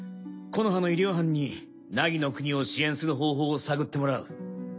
木ノ葉の医療班に凪の国を支援する方法を探ってもらう。